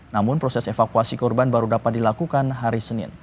namun proses evakuasi korban baru dapat dilakukan hari senin